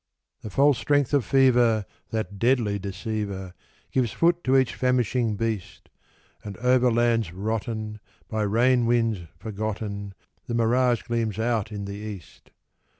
The false strength of fever, that deadly deceiver, Gives foot to each famishing beast; And over lands rotten, by rain winds forgotten, The mirage gleams out in the east.